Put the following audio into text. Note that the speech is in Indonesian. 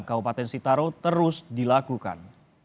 kabupaten sitaro terus dilakukan